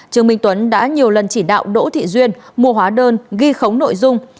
trương minh tuấn đã nhiều lần chỉ đạo đỗ thị duyên mua hóa đơn ghi khống nội dung